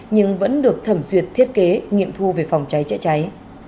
nhưng vẫn được thẩm duyệt thiết kế nghiệm thu về phòng cháy chữa cháy